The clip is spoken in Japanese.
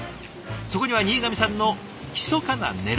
そこには新上さんのひそかなねらいが。